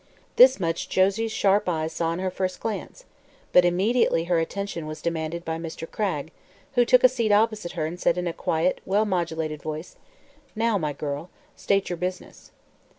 This much Josie's sharp eyes saw in her first glance, but immediately her attention was demanded by Mr. Cragg, who took a seat opposite her and said in a quiet, well modulated voice: "Now, my girl, state your business."